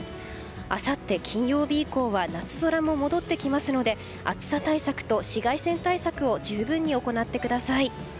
あさって金曜日以降は夏空も戻ってきますので暑さ対策と紫外線対策を十分に行ってください。